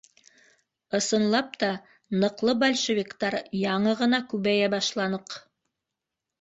Ысынлап та, ныҡлы большевиктар яңы ғына күбәйә башланыҡ.